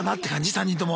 ３人とも。